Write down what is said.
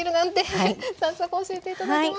早速教えて頂きます。